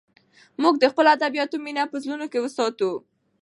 موږ د خپلو ادیبانو مینه په زړونو کې ساتو.